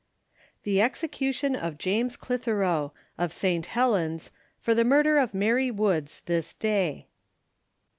THE EXECUTION OF JAMES CLITHEROE, Of St. Helen's, for the Murder of Mary Woods, this day.